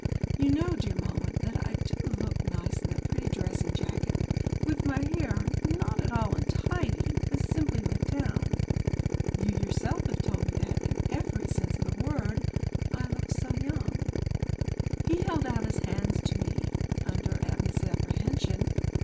You know, dear mamma, that I do look nice in that pretty dressing jacket, with my hair, not at all untidy, but simply let down. You yourself have told me that, in every sense of the word, I look so young. He held out his hands to me under a misapprehension.